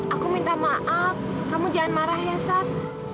aku minta maaf kamu jangan marah ya sat